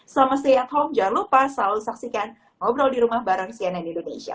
selama stay at home jangan lupa selalu saksikan ngobrol di rumah bareng cnn indonesia